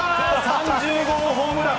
３０号ホームラン。